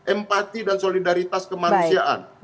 empati dan solidaritas kemanusiaan